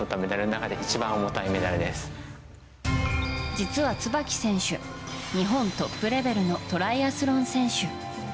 実は椿選手日本トップレベルのトライアスロン選手。